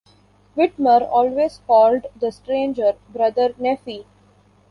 Whitmer always called the stranger "Brother Nephi".